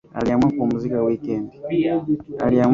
Aliamua kupumzika wikendi